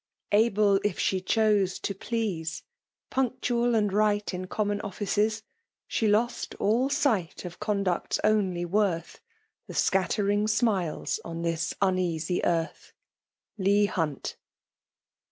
Able, if iHe chote, to please, ^'' 'Punctual and right in common offices/ '' 8he loit all light of conduct's only worth,^ .The scattering smiles on this uneasy earth. ' Lbior Hin«T.